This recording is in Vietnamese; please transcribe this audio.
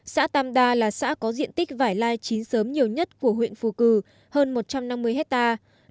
xã tam đa là xã có diện tích vải lai chín sớm nhiều nhất của huyện phù cử hơn một trăm năm mươi hectare